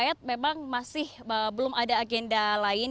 ibu ratna sorumpait memang masih belum ada agenda lain